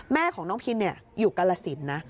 แม่ของน้องพินอยู่กาลสินนะ